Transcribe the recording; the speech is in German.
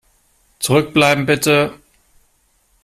Zurückbleiben, bitte!